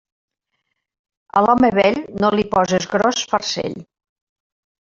A l'home vell, no li poses gros farcell.